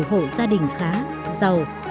hộ gia đình khá giàu